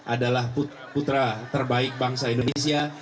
adalah putra terbaik bangsa indonesia